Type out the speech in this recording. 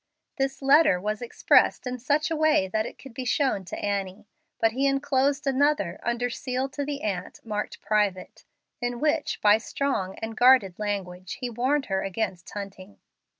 This letter was expressed in such a way that it could be shown to Annie. But he inclosed another under seal to the aunt, marked private, in which by strong and guarded language he warned her against Hunting.